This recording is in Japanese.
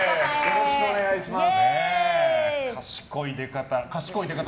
よろしくお願いします。